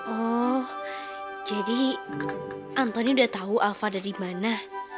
oh jadi antoni udah tahu alfa ada di mana